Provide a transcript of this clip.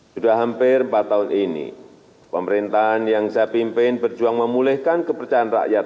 sudah hampir empat tahun ini pemerintahan yang saya pimpin berjuang memulihkan kepercayaan rakyat